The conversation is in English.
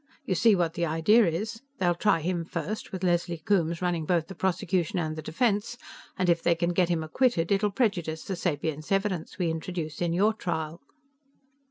You see what the idea is? They'll try him first, with Leslie Coombes running both the prosecution and the defense, and if they can get him acquitted, it'll prejudice the sapience evidence we introduce in your trial."